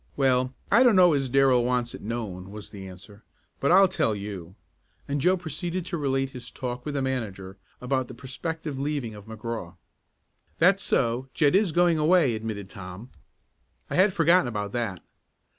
"Well, I don't know as Darrell wants it known," was the answer, "but I'll tell you," and Joe proceeded to relate his talk with the manager, about the prospective leaving of McGraw. "That's so, Jed is going away," admitted Tom. "I had forgotten about that.